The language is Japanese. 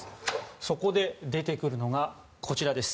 そこで出てくるのがこちらです。